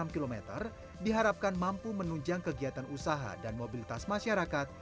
enam km diharapkan mampu menunjang kegiatan usaha dan mobilitas masyarakat